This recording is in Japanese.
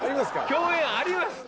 共演ありますって。